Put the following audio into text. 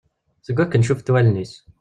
Seg wakken cufent wallen-is.